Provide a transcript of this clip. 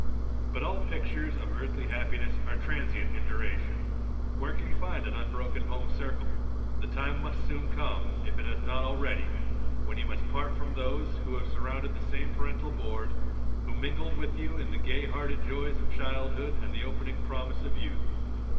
But all pictures of earthly happiness are transient in duration. Where can you find an unbroken home circle? The time must soon come, if it has not already, when you must part from those who have surrounded the same parental board, who mingled with you in the gay hearted joys of childhood and the opening promise of youth.